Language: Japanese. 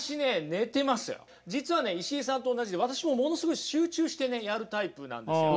実はね石井さんと同じで私もものすごい集中してねやるタイプなんですよ。